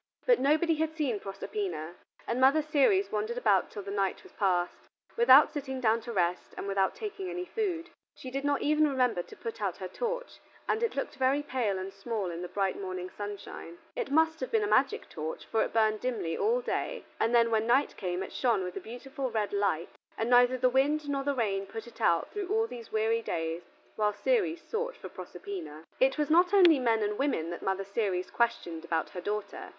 But nobody had seen Proserpina, and Mother Ceres wandered about till the night was passed, without sitting down to rest, and without taking any food. She did not even remember to put out her torch, and it looked very pale and small in the bright morning sunshine. It must have been a magic torch, for it burned dimly all day, and then when night came it shone with a beautiful red light, and neither the wind nor the rain put it out through all these weary days while Ceres sought for Proserpina. It was not only men and women that Mother Ceres questioned about her daughter.